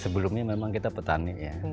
sebelumnya memang kita petani ya